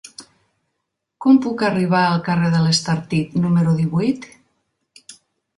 Com puc arribar al carrer de l'Estartit número divuit?